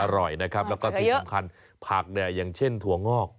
อร่อยนะครับแล้วก็ที่สำคัญผักเนี่ยอย่างเช่นถั่วงอก